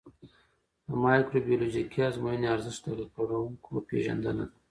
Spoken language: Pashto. د مایکروبیولوژیکي ازموینې ارزښت د ککړونکو پېژندنه ده.